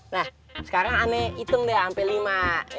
nah sekarang ane hitung deh sampe lima